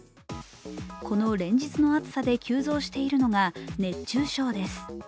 この連日の暑さで急増しているのが熱中症です。